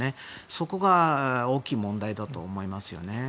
そこが大きい問題だと思います。